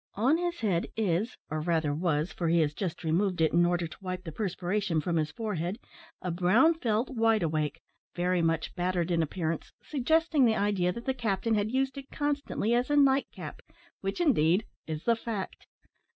On his head is, or, rather, was for he has just removed it, in order to wipe the perspiration from his forehead a brown felt wide awake, very much battered in appearance, suggesting the idea that the captain had used it constantly as a night cap, which, indeed, is the fact.